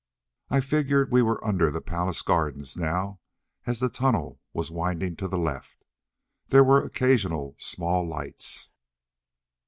I figured we were under the palace gardens now, as the tunnel was winding to the left. There were occasional small lights.